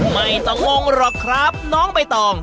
ไม่ต้องงงหรอกครับน้องใบตอง